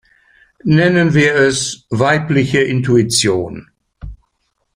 Nennen wir es weibliche Intuition.